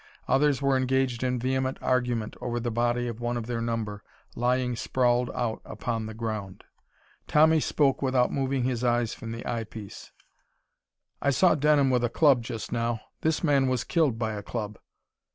Others were engaged in vehement argument over the body of one of their number, lying sprawled out upon the ground. Tommy spoke without moving his eyes from the eyepiece. "I saw Denham with a club just now. This man was killed by a club."